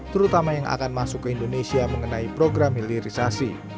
terutama yang akan masuk ke indonesia mengenai program hilirisasi